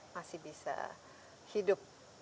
masih bisa hidup